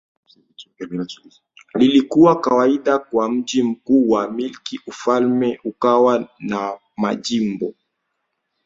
lilikuwa kawaida kwa mji mkuu wa milki Ufalme ukawa na majimbo